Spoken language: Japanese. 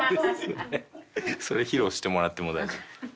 それ披露してもらっても。